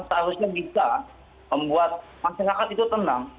seharusnya bisa membuat masyarakat itu tenang